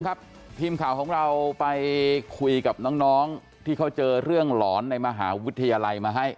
ครับทีมข่าวของเราไปคุยกับน้องที่เขาเจอเรื่องหลอนในมหาวิทยาลัยมาให้